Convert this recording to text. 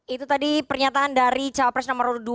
itu tadi pernyataan dari cawapres nomor dua